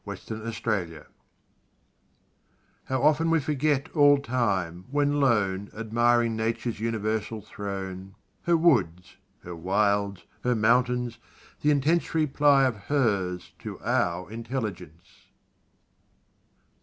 1 Autoplay How often we forget all time, when lone Admiring Nature's universal throne; Her woods her wilds her mountains the intense Reply of HERS to OUR intelligence!